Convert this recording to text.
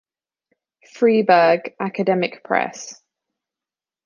Fribourg: Academic Press.